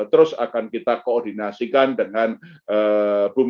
terus akan kita koordinasikan dengan bum